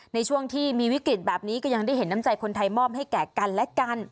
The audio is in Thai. ในช่วงที่มีวิกฤตแบบนี้ก็ยังได้เห็นน้ำใจคนไทยมอบให้แก่กันและกัน